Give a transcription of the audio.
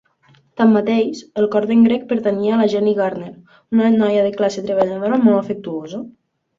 Tanmateix, el cor d"en Greg pertanyia a la Jenny Gardner, una noia de classe treballadora molt afectuosa.